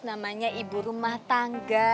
namanya ibu rumah tangga